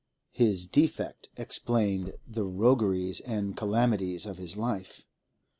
This defect explained the rogueries and calamities of his life.